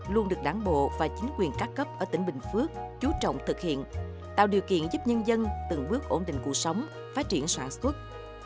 luôn được đảng bộ và chính quyền các cấp ở tỉnh bình phước chú trọng thực hiện tạo điều kiện giúp nhân dân từng bước ổn định cuộc sống phát triển sản xuất